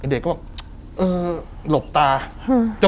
เด็กก็บอกเออหลบตา